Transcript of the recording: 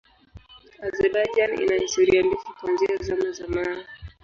Azerbaijan ina historia ndefu kuanzia Zama za Mawe.